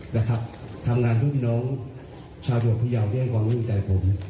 และทำงานด้วยพี่น้องชาโดยยาวด้วยให้ความรู้ใจผม